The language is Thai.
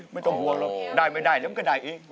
ไม่ต้องห่วงได้ไม่ได้แล้วมันก็ได้เอง